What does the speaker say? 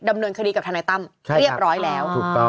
ดำเนินคดีกับธนายตั้มเรียกร้อยแล้ว